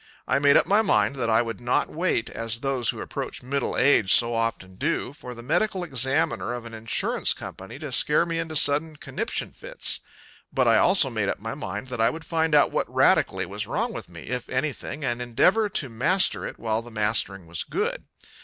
I made up my mind that I would not wait, as those who approach middle age so often do, for the medical examiner of an insurance company to scare me into sudden conniption fits. But I also made up my mind that I would find out what radically was wrong with me, if anything, and endeavor to master it while the mastering was good.